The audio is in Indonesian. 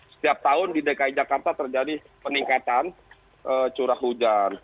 setiap tahun di dki jakarta terjadi peningkatan curah hujan